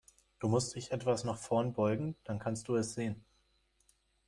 Du musst dich etwas nach vorn beugen, dann kannst du es sehen.